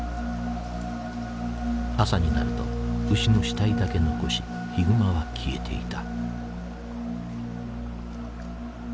朝になると牛の死体だけ残しヒグマは消えていた。